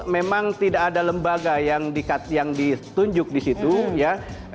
memang tidak ada lembaga yang ditunjuk di situ ya